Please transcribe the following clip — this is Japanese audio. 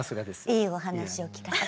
いいお話を聞かせて。